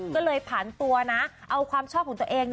ก็เลยผันตัวนะเอาความชอบของตัวเอง